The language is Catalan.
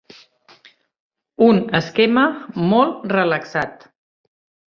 Un esquema molt relaxat.